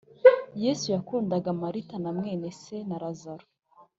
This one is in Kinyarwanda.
Yesu yakundaga Marita na mwene se na Lazaro